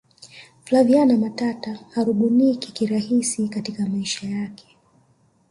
flaviana matata harubuniki kirahisi katika maisha yake